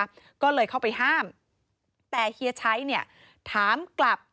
ก็เลยเข้าไปห้ามแต่เฮียชัยเนี่ยถามกลับ